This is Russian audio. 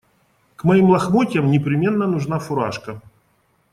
К моим лохмотьям непременно нужна фуражка.